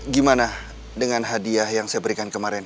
gimana dengan hadiah yang saya berikan kemarin